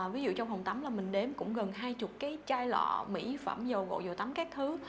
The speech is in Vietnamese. ví dụ trong phòng tắm là mình đếm cũng gần hai mươi cái chai lọ mỹ phẩm dầu gộ dầu tắm các thứ